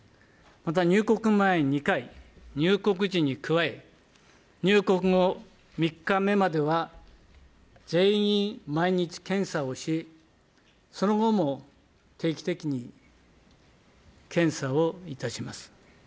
また入国前２回、入国時に加え、入国後３日目までは、全員、毎日検査をし、その後も定期的に検査をいたします。